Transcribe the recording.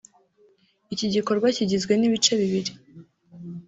Iki gikorwa kigizwe n’ibice bibiri